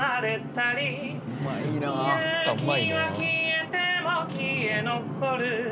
「雪は消えても消え残る」